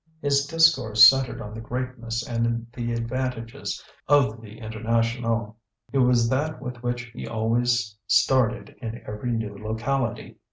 His discourse centred on the greatness and the advantages of the International; it was that with which he always started in every new locality.